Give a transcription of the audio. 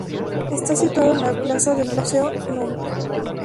Está situado en la Plaza del Museo, núm.